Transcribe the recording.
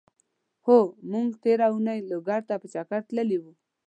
هو! مونږ تېره اونۍ لوګر ته په چګر تللی وو.